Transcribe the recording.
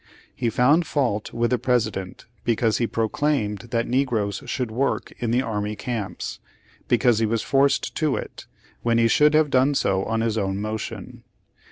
He found fault with the President because he proclaimed that negroes should work in the army camps, because he was forced to it, v/hen he should have done so on his own motion.